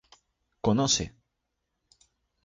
¡conoce!